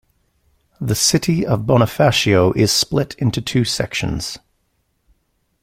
The city of Bonifacio is split into two sections.